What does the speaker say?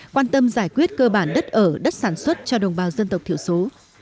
quan tâm giải quyết cơ bản đất ở đất sản xuất cho đồng bào dân tộc thiểu số